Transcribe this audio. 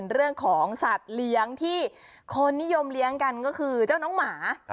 เรื่องของสัตว์เลี้ยงที่คนนิยมเลี้ยงกันก็คือเจ้าน้องหมา